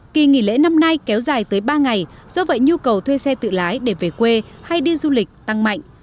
kỳ nghỉ lễ năm nay kéo dài tới ba ngày do vậy nhu cầu thuê xe tự lái để về quê hay đi du lịch tăng mạnh